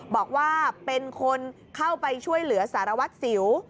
บอกว่าเป็นคนเข้าไปช่วยเหลือสารวัตรสิว